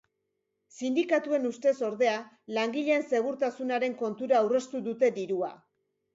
Sindikatuen ustez, ordea, langileen segurtasunaren kontura aurreztu dute dirua.